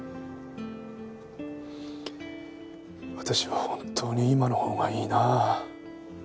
私は本当に今のほうがいいな。